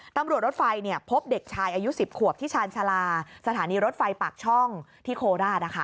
รถไฟพบเด็กชายอายุ๑๐ขวบที่ชาญชาลาสถานีรถไฟปากช่องที่โคราช